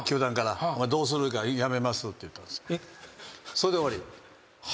それで終わり。